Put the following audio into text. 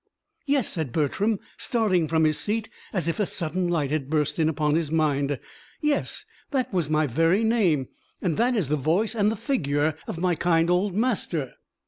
"Yes," said Bertram, starting from his seat as if a sudden light had burst in upon his mind. "Yes, that was my very name, and that is the voice and the figure of my kind old master!"